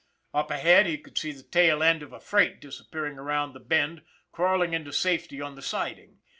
Up ahead, he could see the tail end of a freight dis appearing around the bend, crawling into safety on the siding.